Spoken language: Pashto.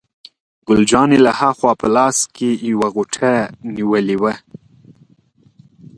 ګل جانې له ها خوا په لاس کې یوه غوټه نیولې وه.